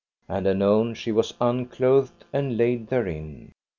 And anon she was unclothed and laid therein.